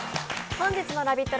本日のラヴィット！